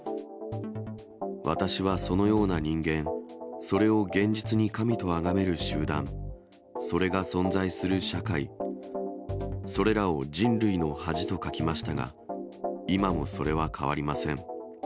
私はそのような人間、それを現実に神とあがめる集団、それが存在する社会、それらを人類の恥と書きましたが、今もそれは変わりません。